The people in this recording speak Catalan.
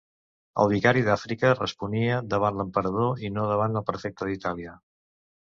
El vicari d'Àfrica responia davant l'emperador i no davant el Prefecte d'Itàlia.